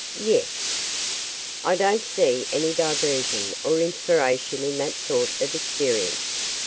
"Yes." "I don't see any diversion or inspiration in that sort of experience.